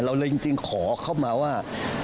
เลยจริงขอเข้ามาว่า